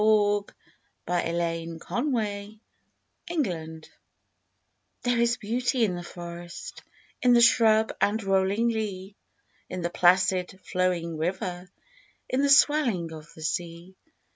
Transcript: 30 LIFE WAVES BEAUTY EVERYWHERE There is beauty in the forest, In the shrub and rolling lea, In the placid flowing river, In the swelling of the sea.